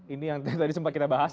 ini yang tadi sempat kita bahas